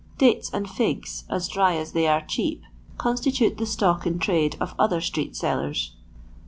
Dates and figs, as dry as they are cheap, constitute the stock in trade of other street sellers.